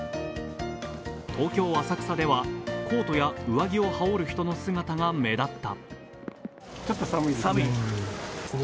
東京・浅草ではコートや上着を羽織る人の姿が目立った。